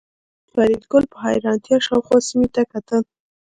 فریدګل په حیرانتیا شاوخوا سیمې ته کتل